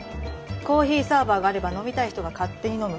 コーヒーサーバーがあれば飲みたい人が勝手に飲む。